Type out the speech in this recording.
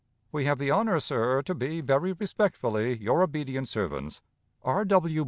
We have the honor, sir, to be, very respectfully, your obedient servants, R. W.